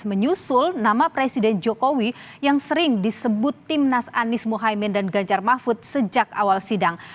menyusul nama presiden jokowi yang sering disebut timnas anies mohaimin dan ganjar mahfud sejak awal sidang